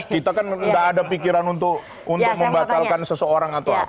kita kan tidak ada pikiran untuk membatalkan seseorang atau apa